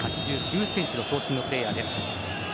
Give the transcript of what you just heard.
１ｍ８９ｃｍの長身のプレーヤーです。